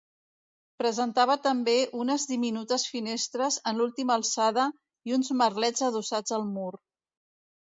Presentava també unes diminutes finestres en l'última alçada i uns merlets adossats al mur.